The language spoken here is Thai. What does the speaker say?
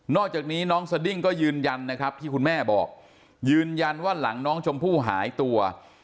อกจากนี้น้องสดิ้งก็ยืนยันนะครับที่คุณแม่บอกยืนยันว่าหลังน้องชมพู่หายตัว